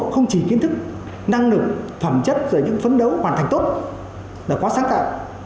không chỉ kiến thức năng lực phẩm chất rồi những phấn đấu hoàn thành tốt là quá sáng tạo